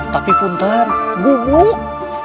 tapi punter gubuk